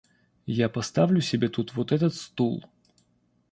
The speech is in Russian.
Вот поставлю себе тут вот этот стул.